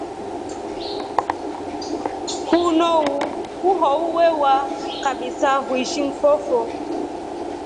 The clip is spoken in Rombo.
Huu howu we waa kabisa huishi ngʼndo fo.